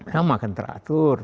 saya makan teratur